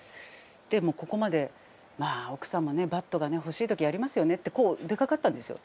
でもうここまでまあ奥さんもねバットがね欲しい時ありますよねってこう出かかったんですよ。